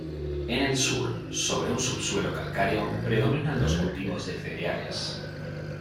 En el sur, sobre un subsuelo calcáreo, predominan los cultivos de cereales.